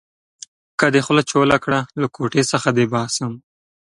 که دې خوله چوله کړه؛ له کوټې څخه دې باسم.